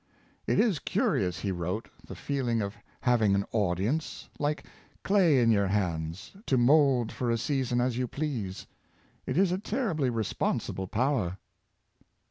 " It is curious," he wrote, '^ the feeling of having an audience, like clay in your hands, to mould for a season as you please. It is a terribly responsible power.